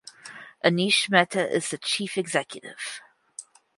Anish Mehta is the chief executive.